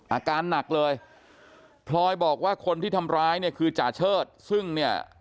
อาการหนักเลยพลอยบอกว่าคนที่ทำร้ายเนี่ยคือจ่าเชิดซึ่งเนี่ย